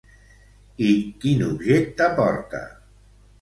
I quin objecte porta?